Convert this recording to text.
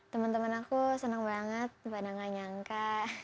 temen temen aku senang banget pada nggak nyangka